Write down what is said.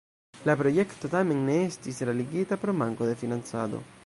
La projekto tamen ne estis realigita pro manko de financado.